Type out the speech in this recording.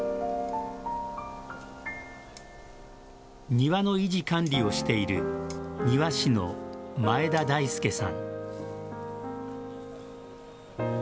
庭の維持管理をしている庭師の前田大介さん。